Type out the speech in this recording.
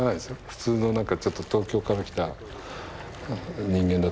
普通のなんかちょっと東京から来た人間だと思って。